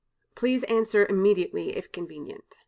Please to answer immediately, if convenient.